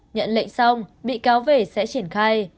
nhận lệnh xong bị cáo về sẽ triển khai